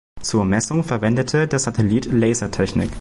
Zur Messung verwendete der Satellit Lasertechnik.